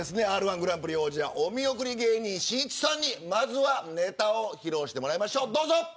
Ｒ‐１グランプリ王者お見送り芸人しんいちさんにまずはネタを披露してもらいましょうどうぞ。